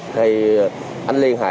thì anh liên hệ